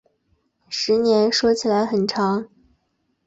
十年说起来很长